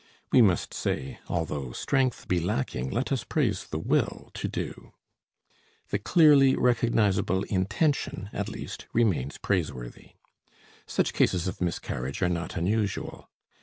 We must say: "Although strength be lacking, let us praise the will to do." The clearly recognizable intention, at least, remains praiseworthy. Such cases of miscarriage are not unusual.